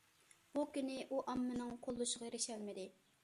بۇ كۈنى ئۇ ئاممىنىڭ قوللىشىغا ئېرىشەلمىدى.